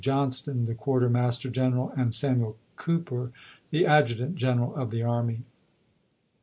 Johnston, the Quartermaster General, and Samuel Cooper, the Adjutant General of the Army.